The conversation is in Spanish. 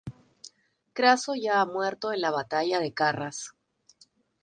Craso ya ha muerto en la batalla de Carras.